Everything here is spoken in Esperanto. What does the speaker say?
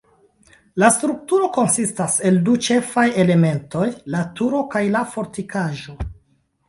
La strukturo konsistas el du ĉefaj elementoj: la turo kaj la fortikaĵo.